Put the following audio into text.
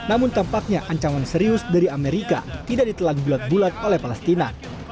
namun tampaknya ancaman serius dari amerika tidak ditelan bulat bulat oleh palestina